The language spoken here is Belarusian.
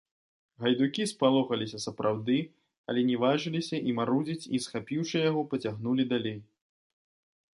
Гайдукі спалохаліся сапраўды, але не важыліся і марудзіць і, схапіўшы яго, пацягнулі далей.